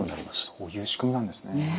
こういう仕組みなんですね。